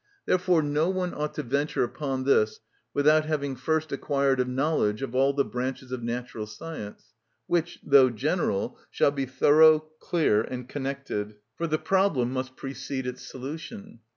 Therefore no one ought to venture upon this without having first acquired a knowledge of all the branches of natural science, which, though general, shall be thorough, clear, and connected. For the problem must precede its solution.